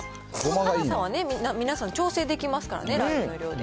辛さは皆さん、調整できますからね、ラー油の量で。